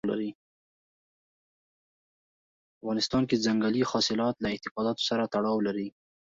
په افغانستان کې ځنګلي حاصلات له اعتقاداتو سره تړاو لري.